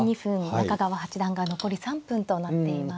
中川八段が残り３分となっています。